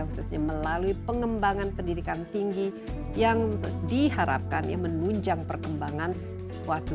khususnya melalui pengembangan pendidikan tinggi yang diharapkan menunjang perkembangan sesuatu